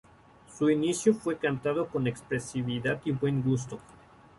Su inicio fue cantado con expresividad y buen gusto.